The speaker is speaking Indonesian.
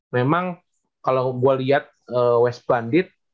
memang kalau gue liat ws bandit